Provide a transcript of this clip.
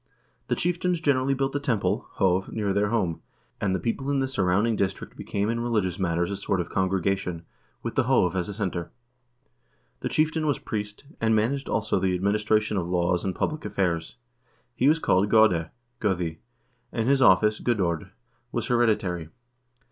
The chieftains generally built a temple (hov) near their home, and the people in the surrounding district became in religious matters a sort of congregation, with the hoc as a center. The chieftain was priest, and managed, also, the administration of laws and public affairs. He was called gode (godi), and his office (godord) was heredi tary.